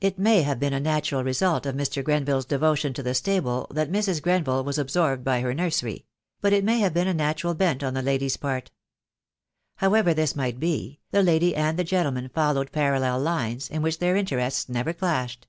It may have been a natural result of Mr. Gren ville's devotion to the stable that Mrs. Grenville was ab sorbed by her nursery; or it may have been a natural bent on the lady's part. However this might be, the lady and the gentleman followed parallel lines, in which their interests never clashed.